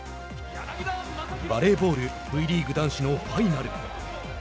バレーボールＶリーグ男子のファイナル。